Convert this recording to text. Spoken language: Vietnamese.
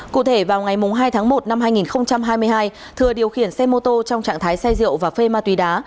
cụ thể vào ngày hai tháng một năm hai nghìn hai mươi hai thừa điều khiển xe mô tô trong trạng thái say rượu và phê ma túy đá